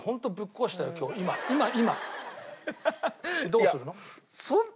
どうするの？